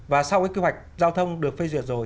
và sau cái kế hoạch giao thông được phê duyệt rồi